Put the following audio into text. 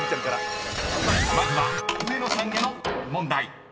［まずは上野さんへの問題］